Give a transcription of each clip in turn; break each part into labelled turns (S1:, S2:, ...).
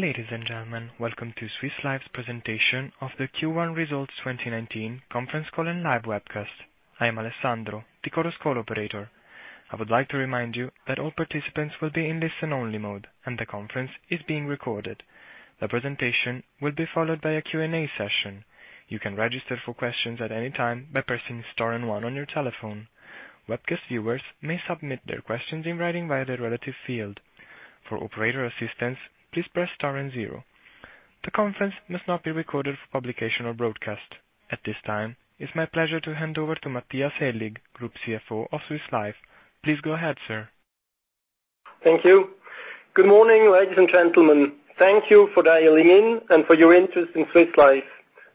S1: Ladies and gentlemen, welcome to Swiss Life's presentation of the Q1 Results 2019 conference call and live webcast. I am Alessandro, the Chorus Call operator. I would like to remind you that all participants will be in listen-only mode, and the conference is being recorded. The presentation will be followed by a Q&A session. You can register for questions at any time by pressing star and one on your telephone. Webcast viewers may submit their questions in writing via the relative field. For operator assistance, please press star and zero. The conference must not be recorded for publication or broadcast. At this time, it is my pleasure to hand over to Matthias Aellig, Group CFO of Swiss Life. Please go ahead, sir.
S2: Thank you. Good morning, ladies and gentlemen. Thank you for dialing in and for your interest in Swiss Life.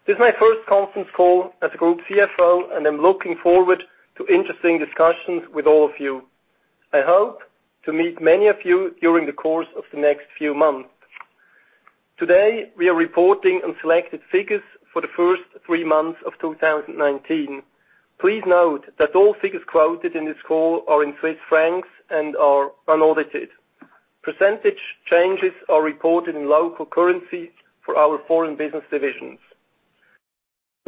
S2: This is my first conference call as Group CFO, and I am looking forward to interesting discussions with all of you. I hope to meet many of you during the course of the next few months. Today, we are reporting on selected figures for the first three months of 2019. Please note that all figures quoted in this call are in CHF and are unaudited. Percentage changes are reported in local currency for our foreign business divisions.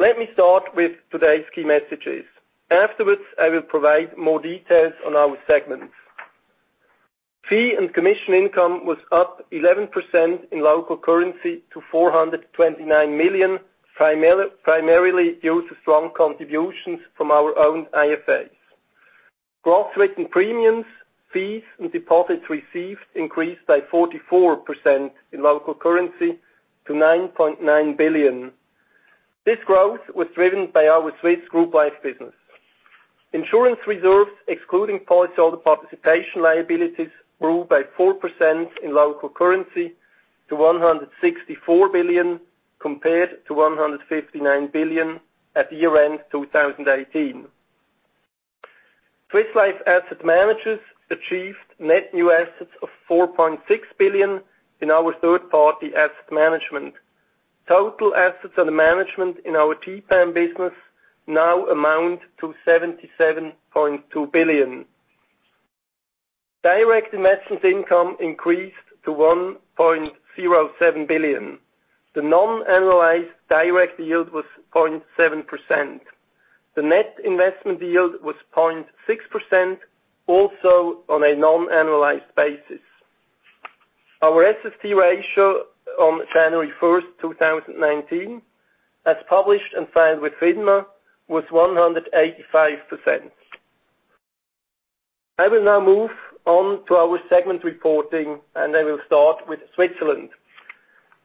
S2: Let me start with today's key messages. Afterwards, I will provide more details on our segments. Fee and commission income was up 11% in local currency to 429 million, primarily due to strong contributions from our own IFAs. Gross written premiums, fees, and deposits received increased by 44% in local currency to 9.9 billion. This growth was driven by our Swiss Group Life business. Insurance reserves, excluding policyholder participation liabilities, grew by 4% in local currency to 164 billion, compared to 159 billion at year-end 2018. Swiss Life Asset Managers achieved net new assets of 4.6 billion in our third-party asset management. Total assets under management in our TPAM business now amount to 77.2 billion. Direct investment income increased to 1.07 billion. The non-annualized direct yield was 0.7%. The net investment yield was 0.6%, also on a non-annualized basis. Our SST ratio on January 1, 2019, as published and filed with FINMA, was 185%. I will now move on to our segment reporting, and I will start with Switzerland.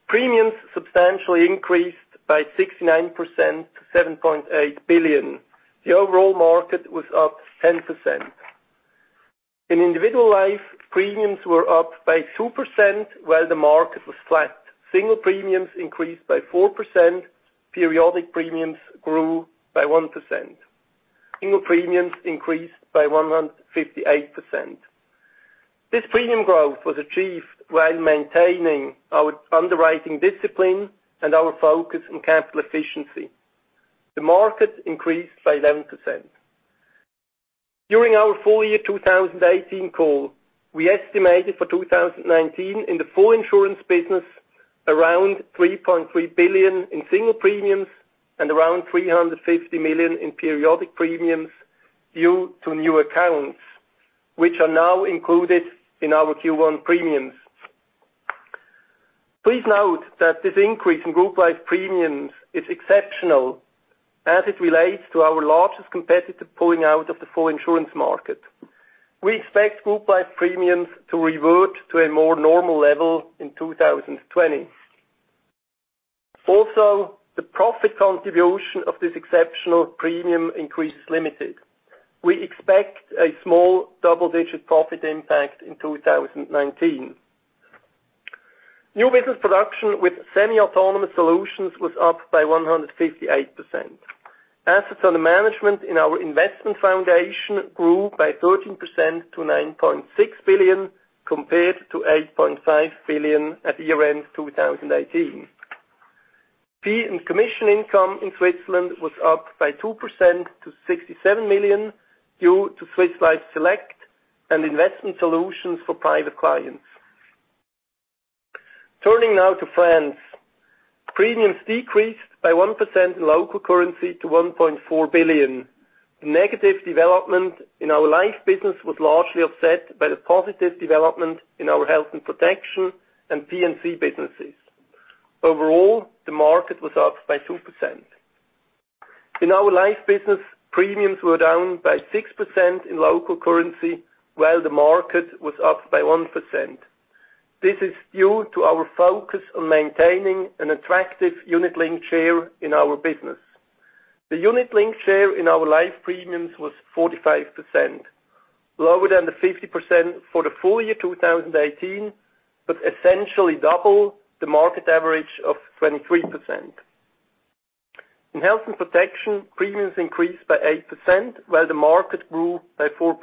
S2: Premiums substantially increased by 69% to 7.8 billion. The overall market was up 10%. In individual life, premiums were up by 2% while the market was flat. Single premiums increased by 4%. Periodic premiums grew by 1%. Single premiums increased by 158%. This premium growth was achieved while maintaining our underwriting discipline and our focus on capital efficiency. The market increased by 11%. During our full year 2018 call, we estimated for 2019 in the full insurance business around 3.3 billion in single premiums and around 350 million in periodic premiums due to new accounts, which are now included in our Q1 premiums. Please note that this increase in Group Life premiums is exceptional as it relates to our largest competitor pulling out of the full insurance market. We expect Group Life premiums to revert to a more normal level in 2020. Also, the profit contribution of this exceptional premium increase is limited. We expect a small double-digit profit impact in 2019. New business production with semi-autonomous solutions was up by 158%. Assets under management in our investment foundation grew by 13% to 9.6 billion, compared to 8.5 billion at year-end 2018. Fee and commission income in Switzerland was up by 2% to 67 million, due to Swiss Life Select and investment solutions for private clients. Turning now to France. Premiums decreased by 1% in local currency to 1.4 billion. The negative development in our life business was largely offset by the positive development in our health and protection and P&C businesses. Overall, the market was up by 2%. In our life business, premiums were down by 6% in local currency, while the market was up by 1%. This is due to our focus on maintaining an attractive unit-linked share in our business. The unit-linked share in our life premiums was 45%, lower than the 50% for the full year 2018, but essentially double the market average of 23%. In health and protection, premiums increased by 8%, while the market grew by 4%.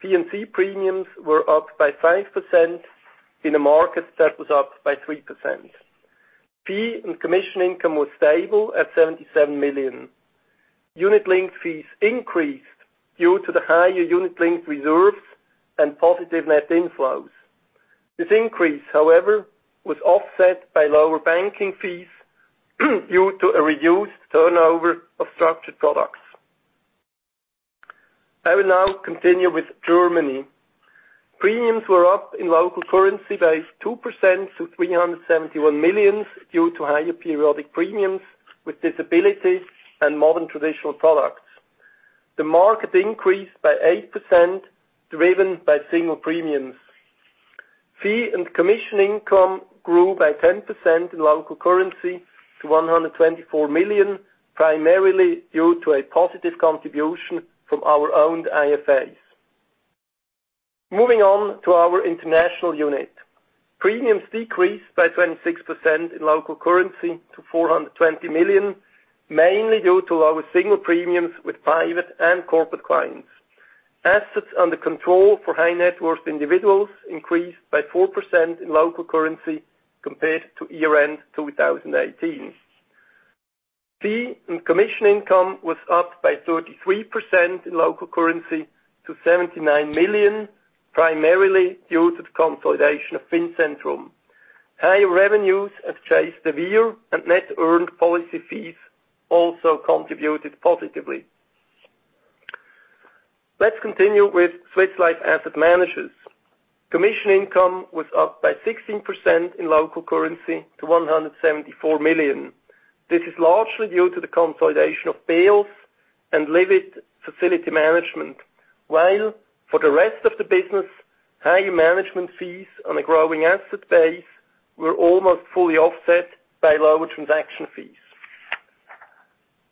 S2: P&C premiums were up by 5% in a market that was up by 3%. Fee and commission income was stable at 77 million. Unit-linked fees increased due to the higher unit-linked reserves and positive net inflows. This increase, however, was offset by lower banking fees due to a reduced turnover of structured products. I will now continue with Germany. Premiums were up in local currency by 2% to 371 million due to higher periodic premiums with disabilities and more than traditional products. The market increased by 8%, driven by single premiums. Fee and commission income grew by 10% in local currency to 124 million, primarily due to a positive contribution from our owned IFAs. Moving on to our international unit. Premiums decreased by 26% in local currency to 420 million, mainly due to lower single premiums with private and corporate clients. Assets under control for high-net-worth individuals increased by 4% in local currency compared to year-end 2018. Fee and commission income was up by 33% in local currency to 79 million, primarily due to the consolidation of Fincentrum. Higher revenues at Chase de Vere and net earned policy fees also contributed positively. Let's continue with Swiss Life Asset Managers. Commission income was up by 16% in local currency to 174 million. This is largely due to the consolidation of BEOS and Livit Facility Management. While for the rest of the business, higher management fees on a growing asset base were almost fully offset by lower transaction fees.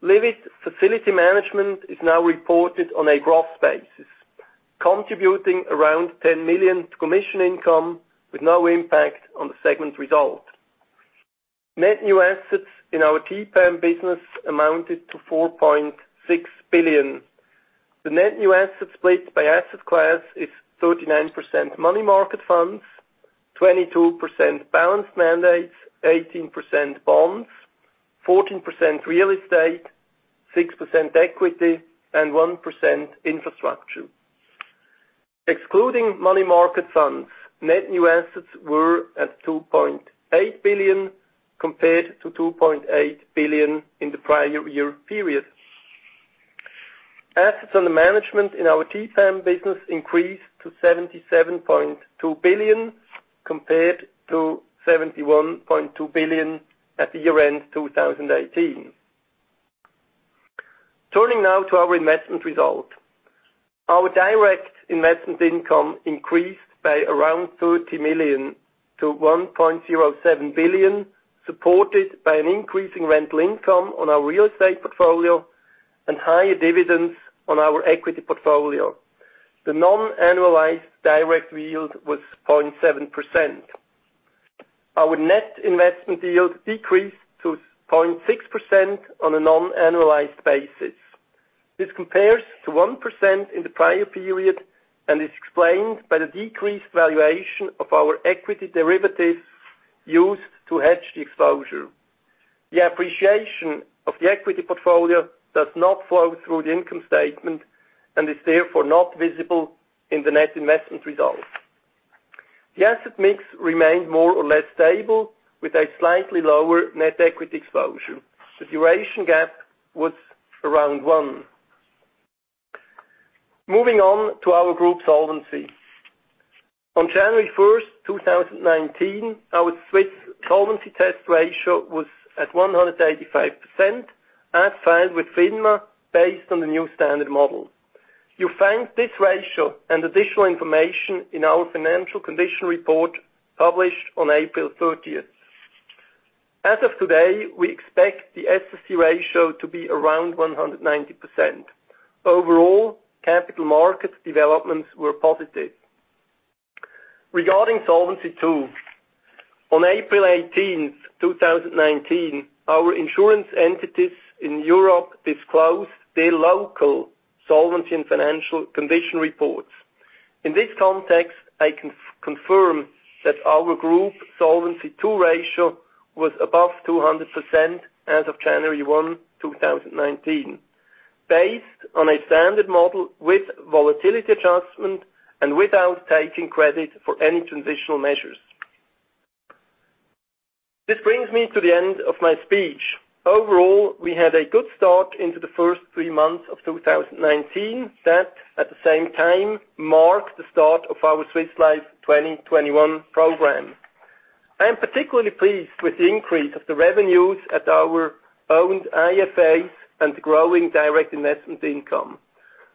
S2: Livit Facility Management is now reported on a gross basis, contributing around 10 million to commission income with no impact on the segment result. Net new assets in our TPAM business amounted to 4.6 billion. The net new assets split by asset class is 39% money market funds, 22% balanced mandates, 18% bonds, 14% real estate, 6% equity and 1% infrastructure. Excluding money market funds, net new assets were at 2.8 billion compared to 2.8 billion in the prior year period. Assets under management in our TPAM business increased to 77.2 billion compared to 71.2 billion at the year-end 2018. Turning now to our investment result. Our direct investment income increased by around 30 million to 1.07 billion, supported by an increasing rental income on our real estate portfolio and higher dividends on our equity portfolio. The non-annualized direct yield was 0.7%. Our net investment yield decreased to 0.6% on a non-annualized basis. This compares to 1% in the prior period and is explained by the decreased valuation of our equity derivatives used to hedge the exposure. The appreciation of the equity portfolio does not flow through the income statement and is therefore not visible in the net investment result. The asset mix remained more or less stable with a slightly lower net equity exposure. The duration gap was around one. Moving on to our group solvency. On January 1st, 2019, our Swiss Solvency Test ratio was at 185%, as filed with FINMA based on the new standard model. You'll find this ratio and additional information in our financial condition report published on April 30th. As of today, we expect the SST ratio to be around 190%. Overall, capital market developments were positive. Regarding Solvency II, on April 18th, 2019, our insurance entities in Europe disclosed their local solvency and financial condition reports. In this context, I can confirm that our Group Solvency II ratio was above 200% as of January 1, 2019, based on a standard model with volatility adjustment and without taking credit for any transitional measures. This brings me to the end of my speech. Overall, we had a good start into the first three months of 2019. That, at the same time, marked the start of our Swiss Life 2021 program. I am particularly pleased with the increase of the revenues at our owned IFAs and growing direct investment income.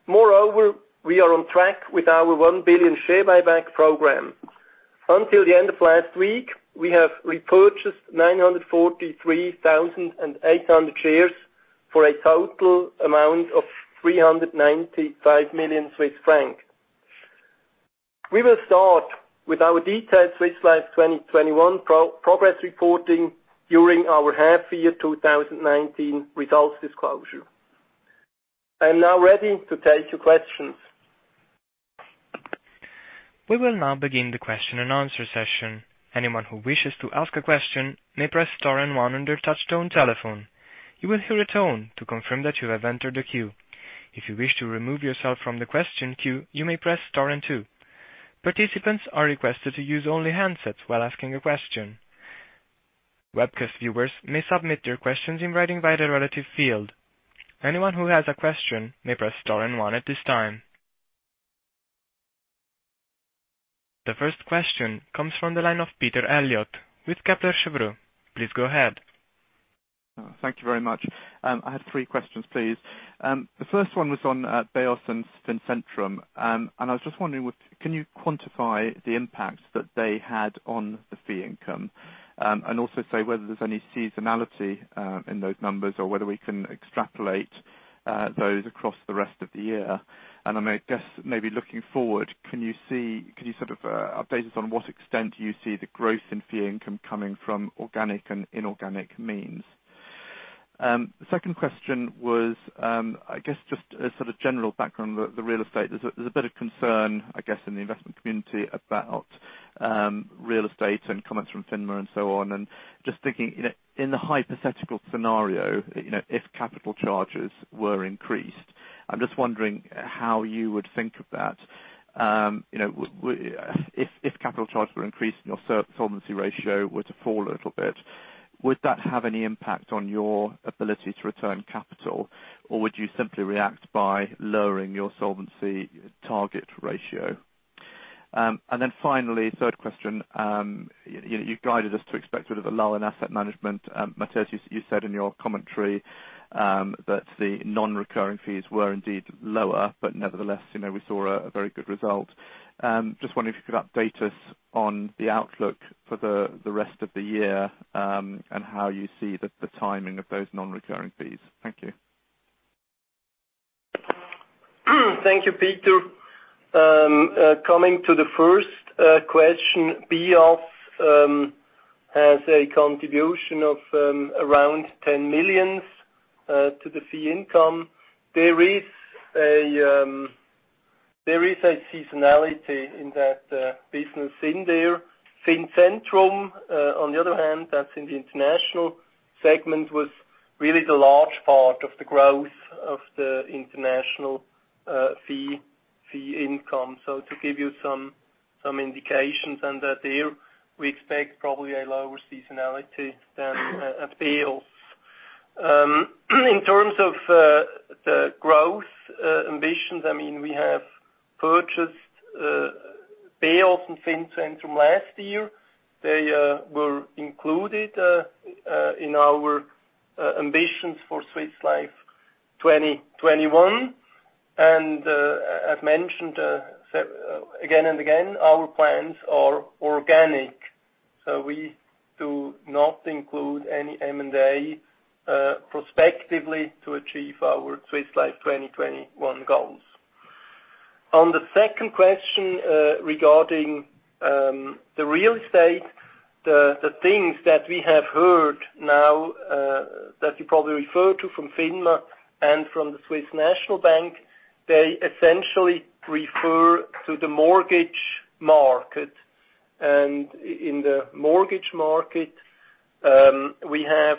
S2: Moreover, we are on track with our 1 billion share buyback program. Until the end of last week, we have repurchased 943,800 shares for a total amount of 395 million Swiss francs. We will start with our detailed Swiss Life 2021 progress reporting during our half year 2019 results disclosure. I'm now ready to take your questions.
S1: We will now begin the question and answer session. Anyone who wishes to ask a question may press star and one on their touchtone telephone. You will hear a tone to confirm that you have entered the queue. If you wish to remove yourself from the question queue, you may press star and two. Participants are requested to use only handsets while asking a question. Webcast viewers may submit their questions in writing via the relative field. Anyone who has a question may press star and one at this time. The first question comes from the line of Peter Eliot with Kepler Cheuvreux. Please go ahead.
S3: Thank you very much. I have three questions, please. The first one was on BEOS and Fincentrum. I was just wondering, can you quantify the impact that they had on the fee income? Also say whether there's any seasonality in those numbers or whether we can extrapolate those across the rest of the year. I guess maybe looking forward, can you update us on what extent you see the growth in fee income coming from organic and inorganic means? The second question was, I guess, just a general background, the real estate. There's a bit of concern, I guess, in the investment community about real estate and comments from FINMA and so on. Just thinking, in the hypothetical scenario, if capital charges were increased, I'm just wondering how you would think of that. If capital charges were increased and your solvency ratio were to fall a little bit, would that have any impact on your ability to return capital? Would you simply react by lowering your solvency target ratio? Then finally, third question. You guided us to expect sort of a lull in asset management. Matthias, you said in your commentary that the non-recurring fees were indeed lower, nevertheless, we saw a very good result. Just wondering if you could update us on the outlook for the rest of the year and how you see the timing of those non-recurring fees. Thank you.
S2: Thank you, Peter. Coming to the first question, BEOS has a contribution of around 10 million to the fee income. There is a seasonality in that business in there. Fincentrum, on the other hand, that's in the international segment, was really the large part of the growth of the international fee income. To give you some indications under there, we expect probably a lower seasonality than BEOS. In terms of the growth ambitions, we have purchased BEOS and Fincentrum last year. They were included in our ambitions for Swiss Life 2021. As mentioned again and again, our plans are organic. We do not include any M&A prospectively to achieve our Swiss Life 2021 goals. On the second question regarding the real estate. The things that we have heard now that you probably refer to from FINMA and from the Swiss National Bank, they essentially refer to the mortgage market. In the mortgage market, we have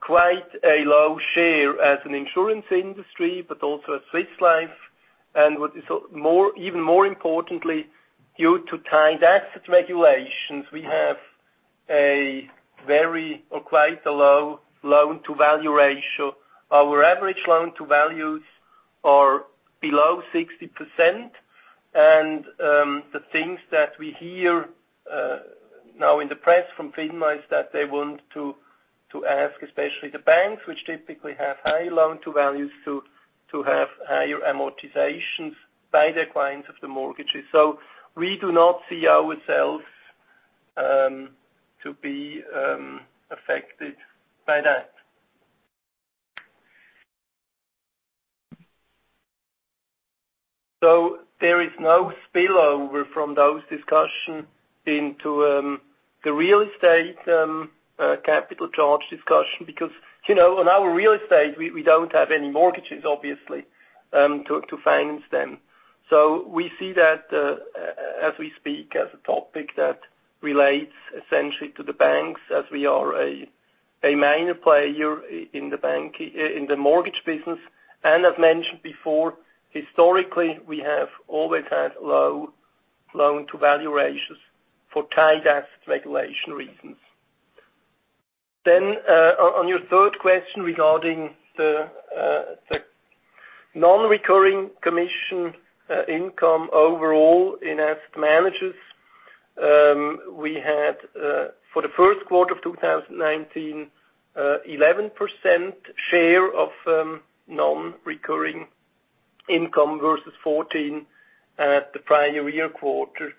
S2: quite a low share as an insurance industry, but also as Swiss Life. Even more importantly, due to tied asset regulations, we have a very or quite a low loan-to-value ratio. Our average loan-to-value are below 60%. The things that we hear now in the press from FINMA is that they want to ask, especially the banks which typically have high loan-to-value to have higher amortizations by their clients of the mortgages. We do not see ourselves to be affected by that. There is no spillover from those discussions into the real estate capital charge discussion because in our real estate, we don't have any mortgages, obviously, to finance them. We see that as we speak, as a topic that relates essentially to the banks as we are a minor player in the mortgage business. As mentioned before, historically, we have always had low loan-to-value ratios for tied asset regulation reasons. On your third question regarding the non-recurring commission income overall in Asset Managers, we had for the first quarter of 2019, 11% share of non-recurring income versus 14% at the prior year quarter.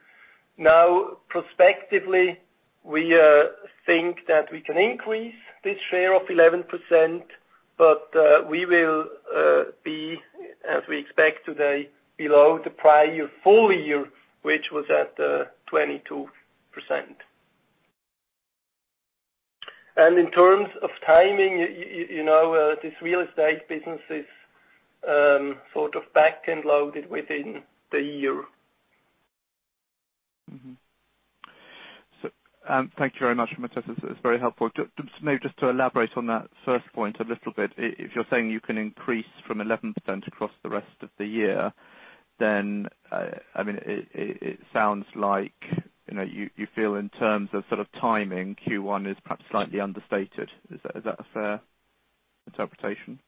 S2: Now, prospectively, we think that we can increase this share of 11% but we will be, as we expect today, below the prior full year, which was at 22%. In terms of timing, this real estate business is sort of back-end loaded within the year.
S3: Mm-hmm. Thank you very much, Matthias. It's very helpful. Maybe just to elaborate on that first point a little bit. If you're saying you can increase from 11% across the rest of the year, then it sounds like you feel in terms of timing, Q1 is perhaps slightly understated. Is that a fair interpretation?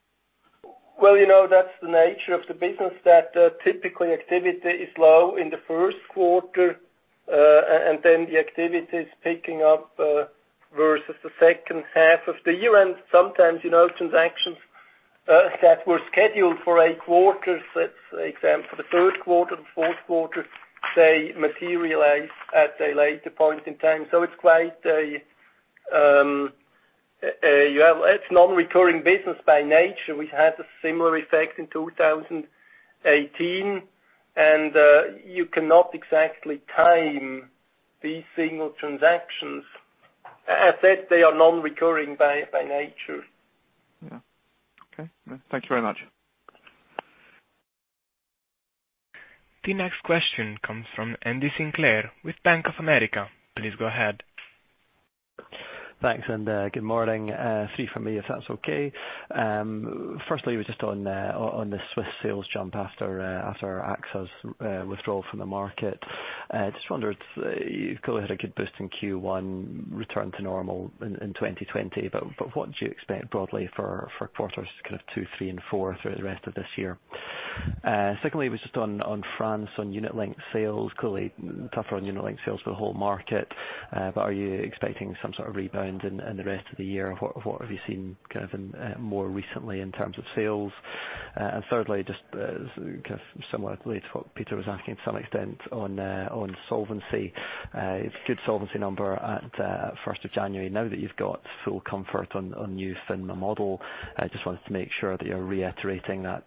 S2: Well, that's the nature of the business, that typically activity is low in the first quarter, then the activity is picking up versus the second half of the year. Sometimes, transactions that were scheduled for a quarter, let's say for example, the third quarter, the fourth quarter, they materialize at a later point in time. So it's non-recurring business by nature. We had a similar effect in 2018, and you cannot exactly time these single transactions. As said, they are non-recurring by nature.
S3: Yeah. Okay. Thank you very much.
S1: The next question comes from Andy Sinclair with Bank of America. Please go ahead.
S4: Thanks. Good morning. Three from me, if that's okay. Firstly, was just on the Swiss sales jump after AXA's withdrawal from the market. Just wondered, you've clearly had a good boost in Q1, return to normal in 2020. What do you expect broadly for quarters two, three, and four through the rest of this year? Secondly, was just on France, on unit-linked sales. Clearly tougher on unit-linked sales for the whole market. Are you expecting some sort of rebound in the rest of the year? What have you seen more recently in terms of sales? Thirdly, just similarly to what Peter was asking to some extent on solvency. Good solvency number at 1st of January. Now that you've got full comfort on new FINMA model, I just wanted to make sure that you're reiterating that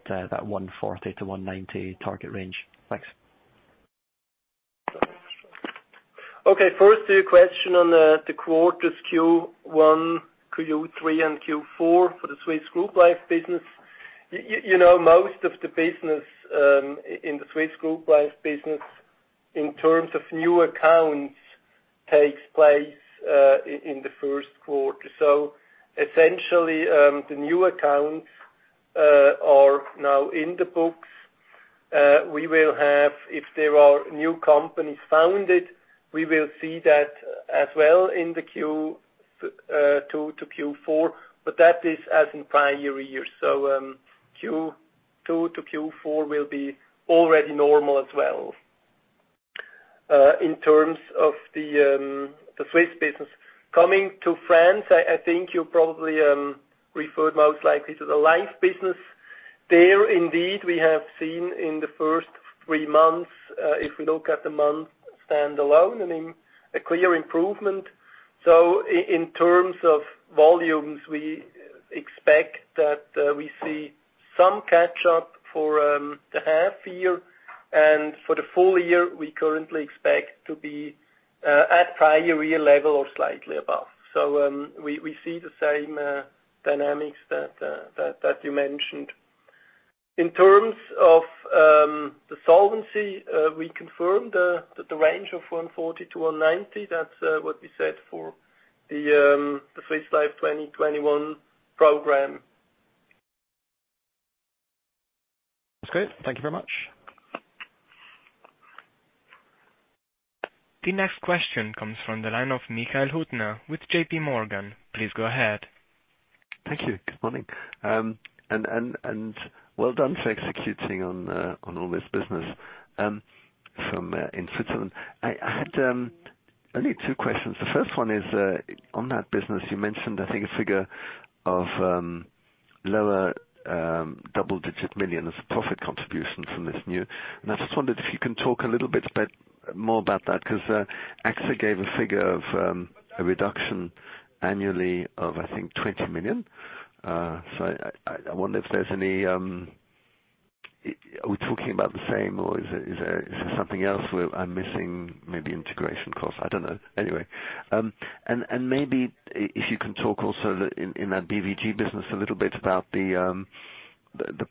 S4: 140 to 190 target range. Thanks.
S2: Okay. First, your question on the quarters Q1, Q3, and Q4 for the Swiss group life business. Most of the business in the Swiss group life business, in terms of new accounts, takes place in the first quarter. Essentially, the new accounts are now in the books. If there are new companies founded, we will see that as well in the Q2 to Q4. That is as in prior years. Q2 to Q4 will be already normal as well in terms of the Swiss business. Coming to France, I think you probably referred most likely to the life business. There, indeed, we have seen in the first three months, if we look at the month standalone, a clear improvement. In terms of volumes, we expect that we see some catch-up for the half year. For the full year, we currently expect to be at prior year level or slightly above. We see the same dynamics that you mentioned. In terms of the solvency, we confirmed that the range of 140 to 190, that's what we said for the Swiss Life 2021 program.
S4: That's great. Thank you very much.
S1: The next question comes from the line of Michael Huttner with J.P. Morgan. Please go ahead.
S5: Thank you. Good morning. Well done for executing on all this business in Switzerland. I had only two questions. The first one is, on that business you mentioned, I think, a figure of lower double-digit million as a profit contribution from this new. I just wondered if you can talk a little bit more about that, because AXA gave a figure of a reduction annually of, I think, 20 million. I wonder if there's any. Are we talking about the same or is there something else where I'm missing maybe integration costs? I don't know. Anyway. Maybe if you can talk also in that BVG business a little bit about the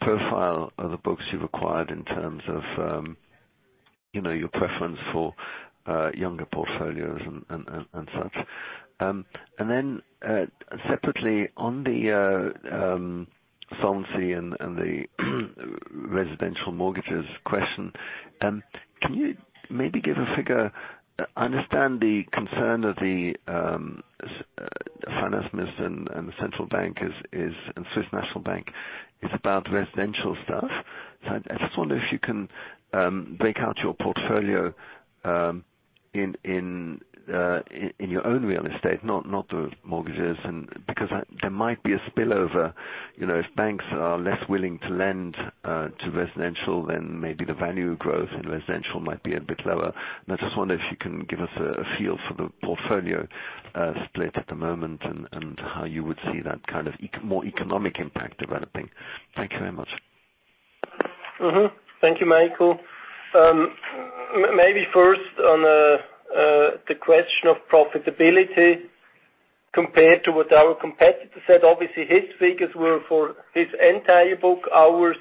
S5: profile of the books you've acquired in terms of your preference for younger portfolios and such. Then separately on the solvency and the residential mortgages question, can you maybe give a figure? I understand the concern of the finance minister and the central bank is, and Swiss National Bank, is about residential stuff. I just wonder if you can break out your portfolio in your own real estate, not the mortgages. There might be a spillover, if banks are less willing to lend to residential, then maybe the value growth in residential might be a bit lower. I just wonder if you can give us a feel for the portfolio split at the moment and how you would see that more economic impact developing. Thank you very much.
S2: Thank you, Michael. First on the question of profitability compared to what our competitor said. His figures were for his entire book, ours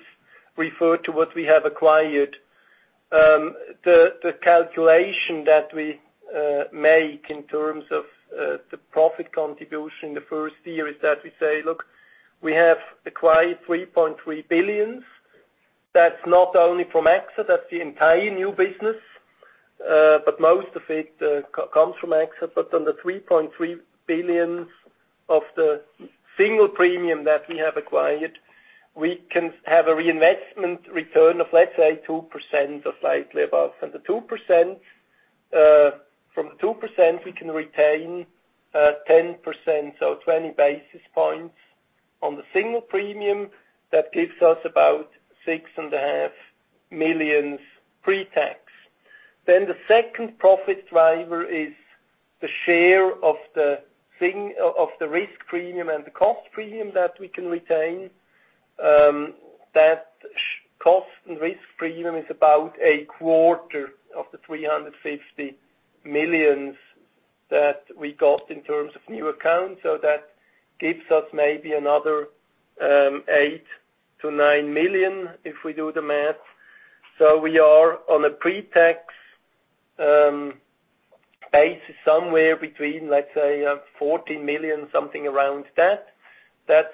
S2: refer to what we have acquired. The calculation that we make in terms of the profit contribution in the first year is that we say, we have acquired 3.3 billion. That's not only from AXA, that's the entire new business. Most of it comes from AXA. On the 3.3 billion of the single premium that we have acquired, we can have a reinvestment return of 2% or slightly above. From 2%, we can retain 10%, so 20 basis points on the single premium. That gives us about 6.5 million pre-tax. The second profit driver is the share of the risk premium and the cost premium that we can retain. That cost and risk premium is about a quarter of the 350 million that we got in terms of new accounts. That gives us another 8 million-9 million if we do the math. We are on a pre-tax basis, somewhere between 14 million, something around that. That's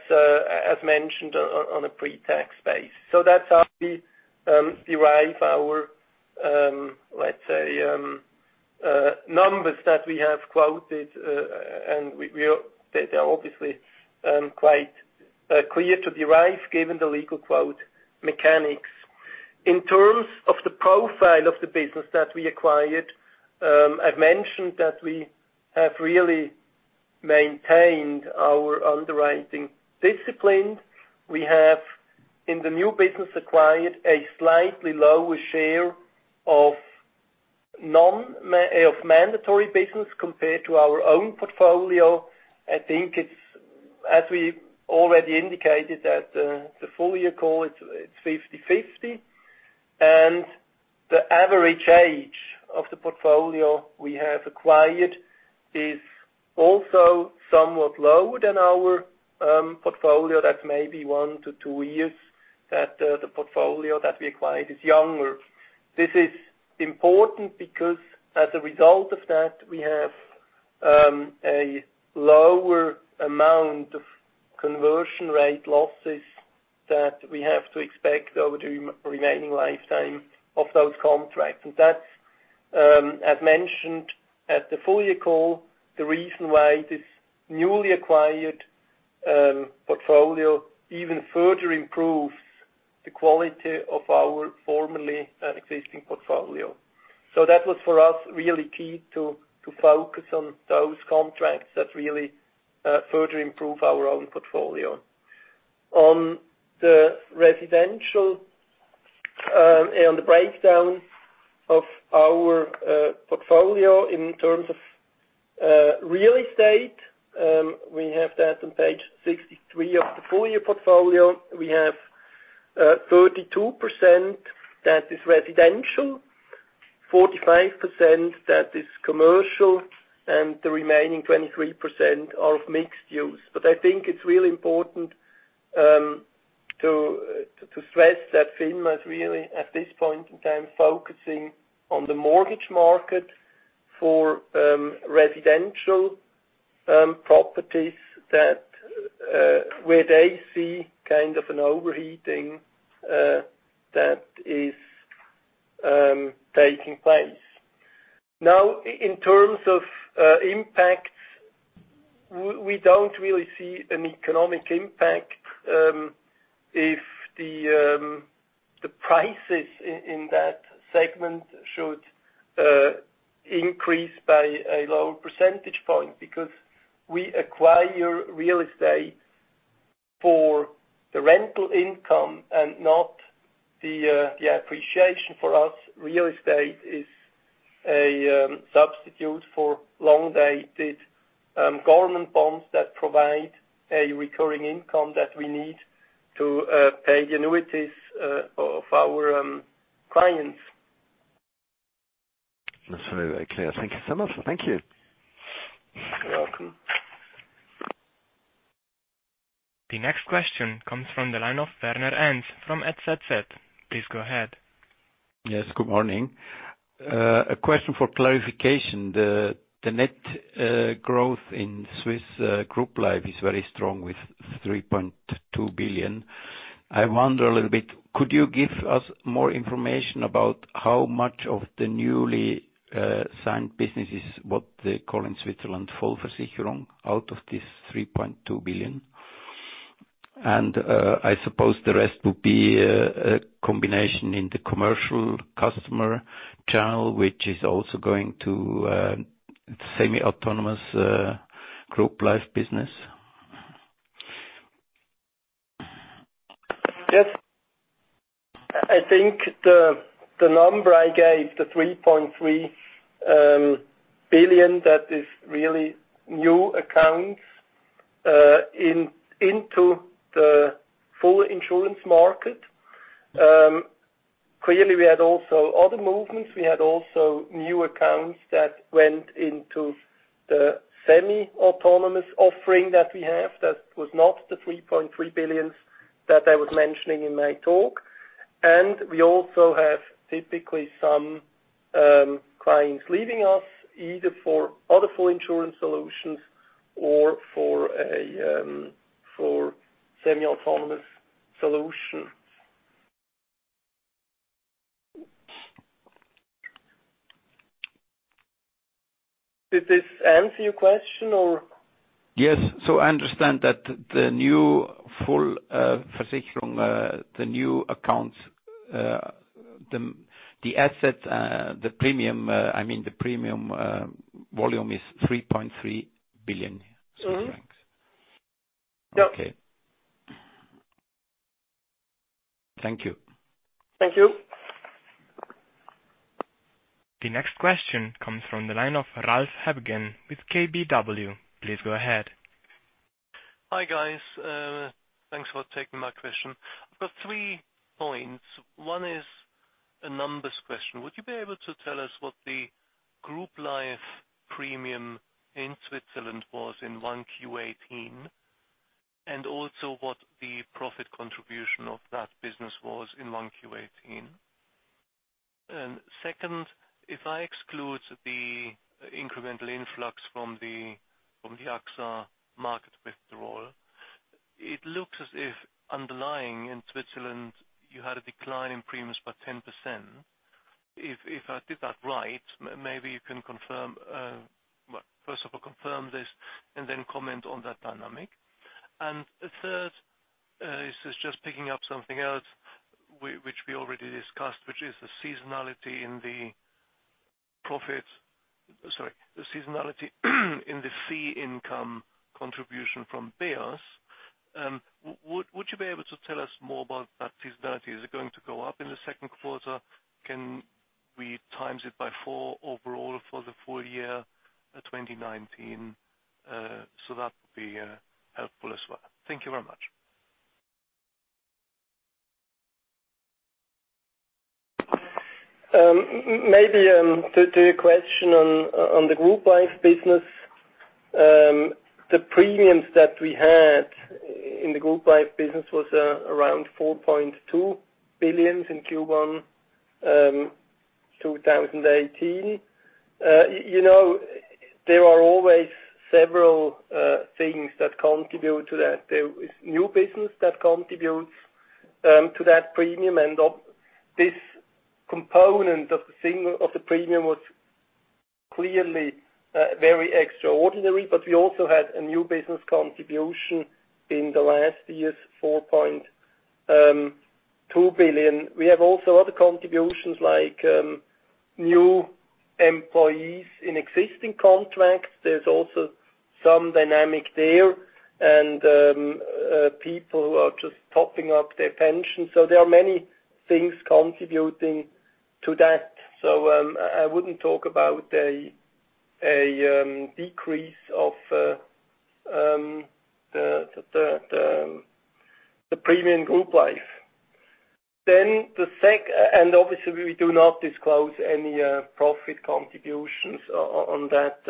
S2: as mentioned, on a pre-tax base. That's how we derive our numbers that we have quoted. They are quite clear to derive, given the legal quote mechanics. In terms of the profile of the business that we acquired. I've mentioned that we have really maintained our underwriting discipline. We have, in the new business, acquired a slightly lower share of mandatory business compared to our own portfolio. As we already indicated at the full year call, it's 50/50. The average age of the portfolio we have acquired is also somewhat lower than our portfolio. That's 1-2 years that the portfolio that we acquired is younger. This is important because as a result of that, we have a lower amount of conversion rate losses that we have to expect over the remaining lifetime of those contracts. That's, as mentioned at the full year call, the reason why this newly acquired portfolio even further improves the quality of our formerly existing portfolio. That was for us really key to focus on those contracts that really further improve our own portfolio. On the residential, on the breakdown of our portfolio in terms of real estate. We have that on page 63 of the full year portfolio. We have 32% that is residential, 45% that is commercial, and the remaining 23% of mixed use. I think it's really important to stress that FINMA is really, at this point in time, focusing on the mortgage market for residential properties where they see kind of an overheating that is taking place. In terms of impact, we don't really see an economic impact if the prices in that segment should increase by a lower percentage point because we acquire real estate for the rental income and not the appreciation. For us, real estate is a substitute for long-dated government bonds that provide a recurring income that we need to pay the annuities of our clients.
S5: That's very clear. Thank you so much. Thank you.
S2: You're welcome.
S1: The next question comes from the line of Werner Enz from NZZ. Please go ahead.
S6: Yes, good morning. A question for clarification. The net growth in Swiss group life is very strong with 3.2 billion. I wonder a little bit, could you give us more information about how much of the newly signed business is what they call in Switzerland, Vollversicherung, out of this 3.2 billion? I suppose the rest would be a combination in the commercial customer channel, which is also going to semi-autonomous group life business.
S2: Yes. I think the number I gave, the 3.3 billion, that is really new accounts into the full insurance market. Clearly, we had also other movements. We had also new accounts that went into the semi-autonomous offering that we have. That was not the 3.3 billion that I was mentioning in my talk. We also have typically some clients leaving us, either for other full insurance solutions or for semi-autonomous solutions. Did this answer your question or?
S6: Yes. I understand that the new Vollversicherung, the new accounts the asset, the premium volume is 3.3 billion.
S2: Mm-hmm. Yeah.
S6: Okay. Thank you.
S2: Thank you.
S1: The next question comes from the line of Ralph Hebgen with KBW. Please go ahead.
S7: Hi, guys. Thanks for taking my question. I've got three points. One is a numbers question. Would you be able to tell us what the group life premium in Switzerland was in 1Q18, and also what the profit contribution of that business was in 1Q18? Second, if I exclude the incremental influx from the AXA market withdrawal, it looks as if underlying in Switzerland you had a decline in premiums by 10%. If I did that right, maybe you can first of all confirm this and then comment on that dynamic. The third, this is just picking up something else which we already discussed, which is the seasonality in the fee income contribution from BEOS. Would you be able to tell us more about that seasonality? Is it going to go up in the second quarter? Can we times it by four overall for the full year 2019? That would be helpful as well. Thank you very much.
S2: Maybe to your question on the group life business. The premiums that we had in the group life business was around 4.2 billion in Q1 2018. There are always several things that contribute to that. There is new business that contributes to that premium. This component of the premium was clearly very extraordinary, but we also had a new business contribution in the last year's 4.2 billion. We have also other contributions like new employees in existing contracts. There's also some dynamic there and people who are just topping up their pension. There are many things contributing to that. I wouldn't talk about a decrease of the premium group life. Obviously we do not disclose any profit contributions on that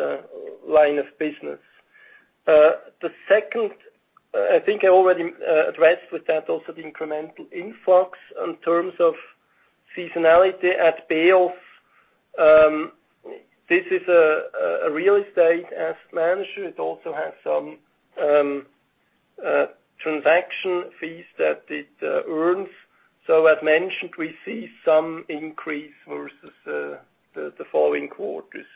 S2: line of business. The second, I think I already addressed with that also the incremental influx in terms of seasonality at BEOS. This is a real estate asset manager. It also has some transaction fees that it earns. As mentioned, we see some increase versus the following quarters.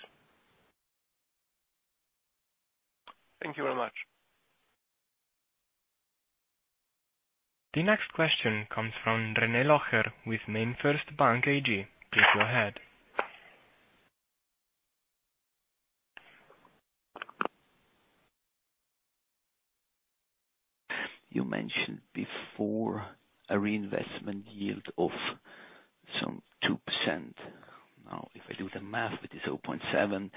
S7: Thank you very much.
S1: The next question comes from René Locher with MainFirst Bank AG. Please go ahead.
S8: You mentioned before a reinvestment yield of some 2%. If I do the math with this 0.7,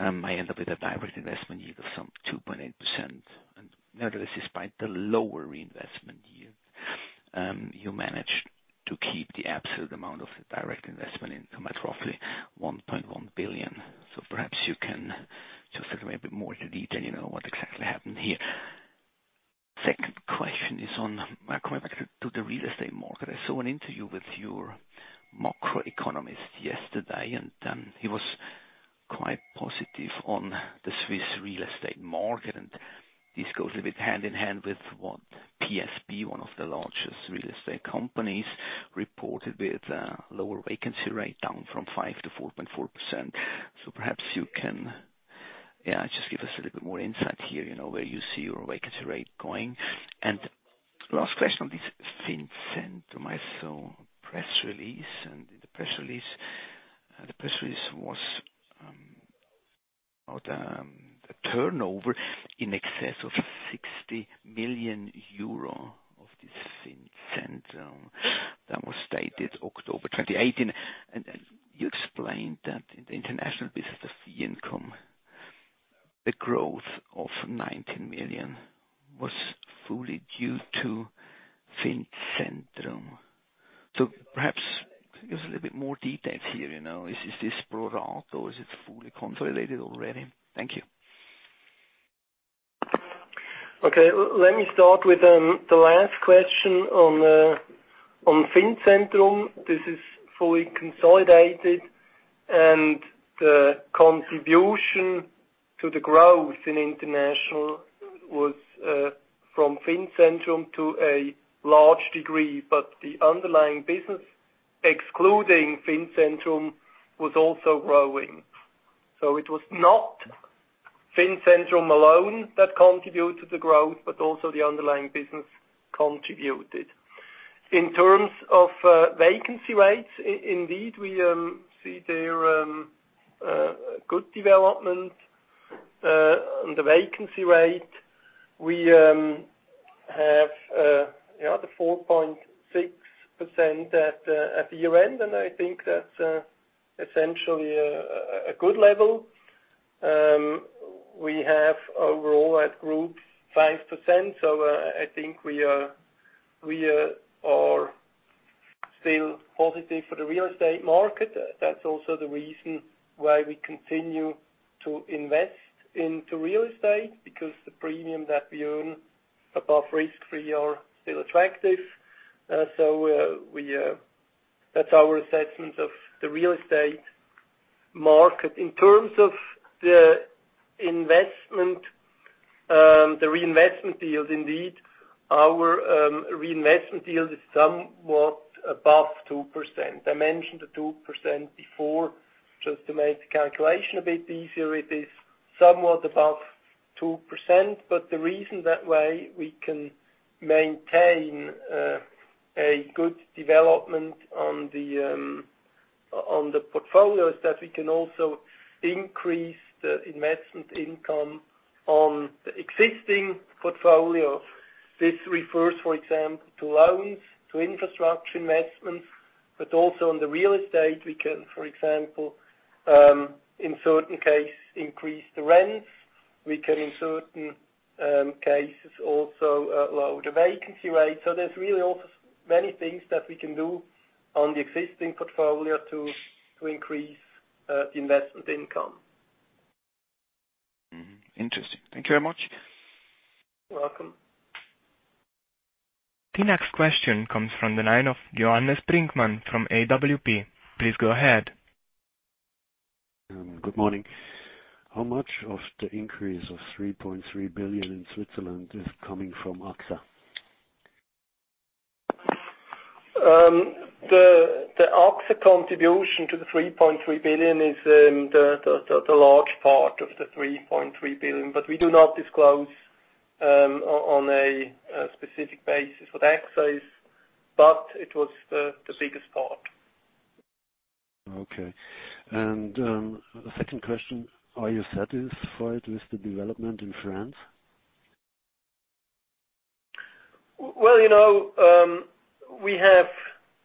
S8: I end up with a direct investment yield of some 2.8%. Nevertheless, despite the lower reinvestment yield you managed to keep the absolute amount of the direct investment income roughly 1.1 billion. Perhaps you can just give me a bit more detail, what exactly happened here. Second question is on going back to the real estate market. I saw an interview with your macroeconomist yesterday, he was quite positive on the Swiss real estate market. This goes a bit hand in hand with what PSP, one of the largest real estate companies, reported with a lower vacancy rate down from 5% to 4.4%. Perhaps you can just give us a little bit more insight here, where you see your vacancy rate going. Last question on this Fincentrum, I saw a press release, the press release was about a turnover in excess of 60 million euro. Of this Fincentrum that was stated October 2018. You explained that the international business fee income, the growth of 19 million was fully due to Fincentrum. Perhaps give us a little bit more details here. Is this brought out or is it fully consolidated already? Thank you.
S2: Let me start with the last question on Fincentrum. This is fully consolidated, the contribution to the growth in international was from Fincentrum to a large degree. The underlying business, excluding Fincentrum, was also growing. It was not Fincentrum alone that contributed to growth, but also the underlying business contributed. In terms of vacancy rates, indeed, we see their good development. On the vacancy rate, we have the 4.6% at the year-end, I think that's essentially a good level. We have overall at Group 5%. I think we are still positive for the real estate market. That's also the reason why we continue to invest into real estate, because the premium that we own above risk-free are still attractive. That's our assessment of the real estate market. In terms of the reinvestment yields, indeed, our reinvestment yield is somewhat above 2%. I mentioned the 2% before just to make the calculation a bit easier. It is somewhat above 2%, the reason that way we can maintain a good development on the portfolio is that we can also increase the investment income on the existing portfolio. This refers, for example, to loans, to infrastructure investments, but also on the real estate. We can, for example, in certain cases, increase the rents. We can, in certain cases, also lower the vacancy rate. There's really also many things that we can do on the existing portfolio to increase the investment income.
S8: Interesting. Thank you very much.
S2: You're welcome.
S1: The next question comes from the line of Johannes Brinkmann from AWP. Please go ahead.
S9: Good morning. How much of the increase of 3.3 billion in Switzerland is coming from AXA?
S2: The AXA contribution to the 3.3 billion is the large part of the 3.3 billion. We do not disclose on a specific basis what AXA is, but it was the biggest part.
S9: Okay. The second question, are you satisfied with the development in France?
S2: Well, we have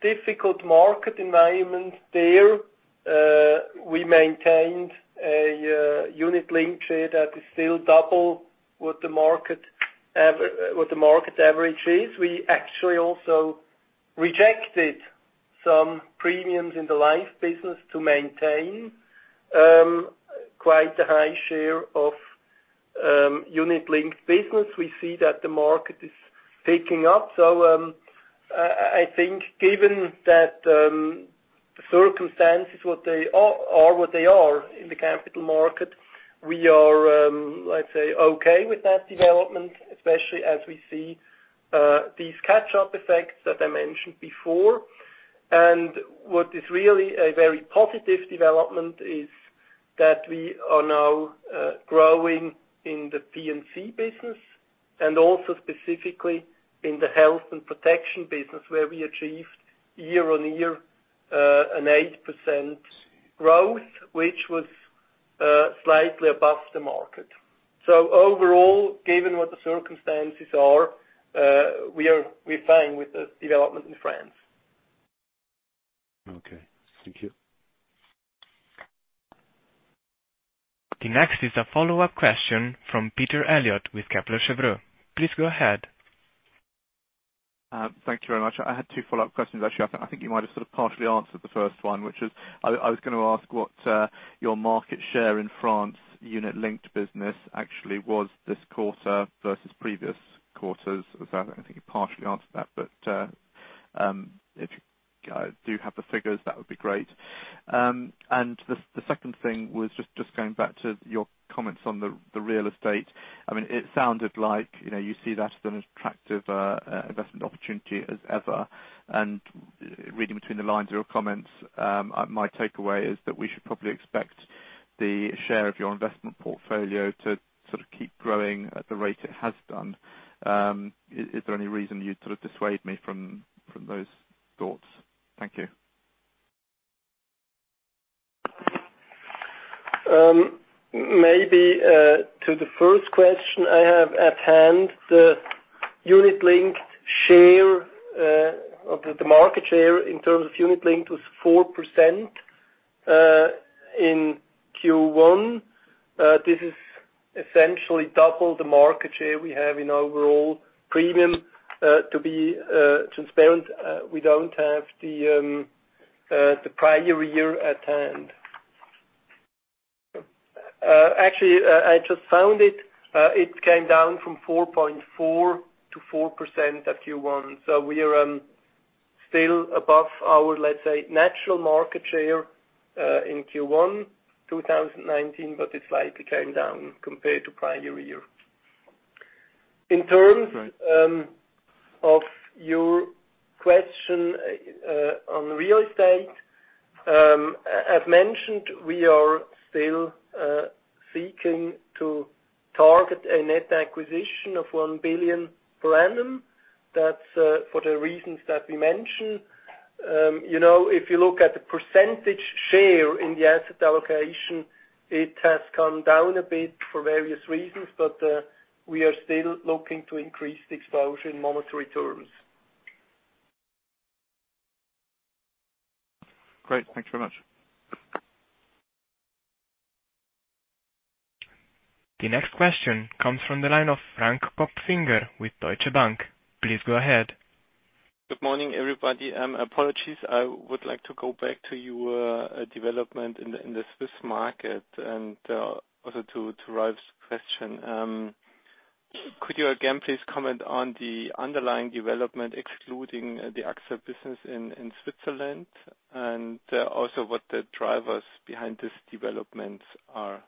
S2: difficult market environment there. We maintained a unit-linked share that is still double what the market average is. We actually also rejected some premiums in the life business to maintain quite a high share of unit-linked business. We see that the market is picking up. I think given that the circumstances are what they are in the capital market, we are, let's say, okay with that development, especially as we see these catch-up effects that I mentioned before. What is really a very positive development is that we are now growing in the P&C business and also specifically in the health and protection business where we achieved year-over-year an 8% growth, which was slightly above the market. Overall, given what the circumstances are, we're fine with the development in France.
S9: Okay. Thank you.
S1: The next is a follow-up question from Peter Eliot with Kepler Cheuvreux. Please go ahead.
S3: Thank you very much. I had two follow-up questions, actually. I think you might have sort of partially answered the first one, which is I was going to ask what your market share in France unit-linked business actually was this quarter versus previous quarters. I think you partially answered that. If you do have the figures, that would be great. The second thing was just going back to your comments on the real estate. It sounded like you see that as an attractive investment opportunity as ever, and reading between the lines of your comments, my takeaway is that we should probably expect the share of your investment portfolio to sort of keep growing at the rate it has done. Is there any reason you'd sort of dissuade me from those thoughts? Thank you.
S2: To the first question, I have at hand the unit-linked share of the market share in terms of unit-linked was 4% in Q1. This is essentially double the market share we have in overall premium. To be transparent, we don't have the prior year at hand. Actually, I just found it. It came down from 4.4% to 4% at Q1. We are still above our, let's say, natural market share, in Q1 2019, but it slightly came down compared to prior year.
S3: Right
S2: To your question on real estate. As mentioned, we are still seeking to target a net acquisition of 1 billion per annum. That's for the reasons that we mentioned. If you look at the percentage share in the asset allocation, it has come down a bit for various reasons, but we are still looking to increase the exposure in monetary terms.
S3: Great. Thank you very much.
S1: The next question comes from the line of Frank Kopfinger with Deutsche Bank. Please go ahead.
S10: Good morning, everybody. Apologies. I would like to go back to your development in the Swiss market and also to Ralph's question. Could you again, please comment on the underlying development excluding the AXA business in Switzerland? Also what the drivers behind this development are?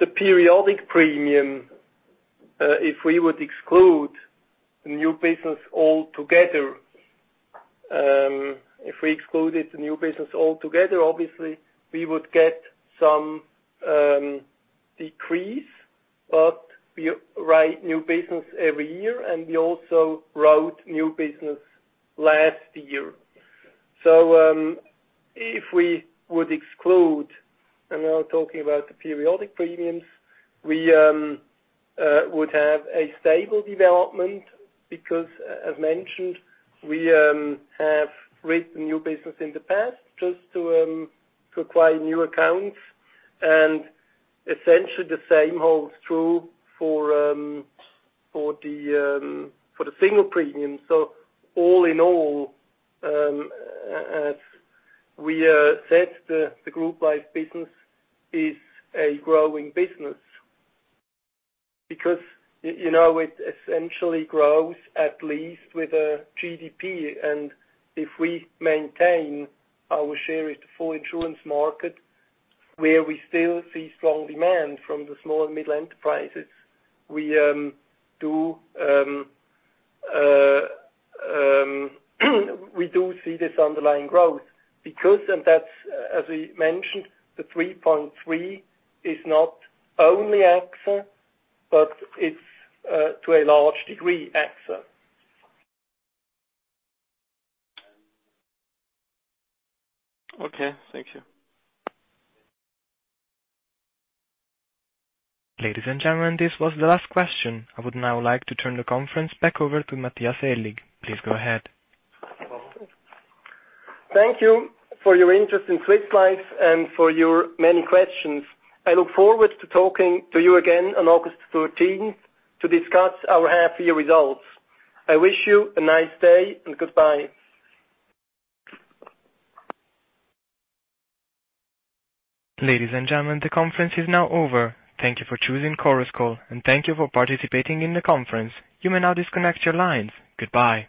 S2: The periodic premium, if we would exclude the new business altogether, obviously we would get some decrease. We write new business every year, and we also wrote new business last year. If we would exclude, and I'm talking about the periodic premiums, we would have a stable development because as mentioned, we have written new business in the past just to acquire new accounts, and essentially the same holds true for the single premium. All in all, as we said, the Group Life business is a growing business because it essentially grows at least with the GDP. If we maintain our share with the full insurance market where we still see strong demand from the small and middle enterprises, we do see this underlying growth because, as we mentioned, the 3.3 is not only AXA, but it's to a large degree, AXA.
S10: Okay. Thank you.
S1: Ladies and gentlemen, this was the last question. I would now like to turn the conference back over to Matthias Aellig. Please go ahead.
S2: Thank you for your interest in Swiss Life and for your many questions. I look forward to talking to you again on August 13th to discuss our half year results. I wish you a nice day, and goodbye.
S1: Ladies and gentlemen, the conference is now over. Thank you for choosing Chorus Call, and thank you for participating in the conference. You may now disconnect your lines. Goodbye